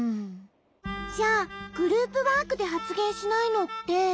じゃあグループワークではつげんしないのって。